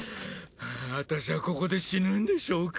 私はここで死ぬんでしょうか。